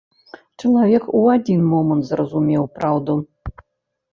Чалавек у адзін момант зразумеў праўду.